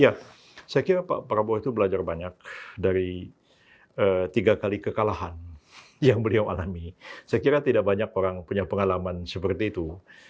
ya saya kira pak prabowo itu belajar banyak dari tiga kali kekalahan yang beliau alami saya kira tidak banyak orang punya pengalaman seperti itu